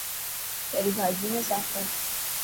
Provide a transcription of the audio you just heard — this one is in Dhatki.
پهرين ڀاڄي نه ساف ڪر.